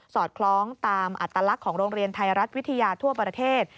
อดคล้องตามอัตลักษณ์ของโรงเรียนไทยรัฐวิทยาทั่วประเทศ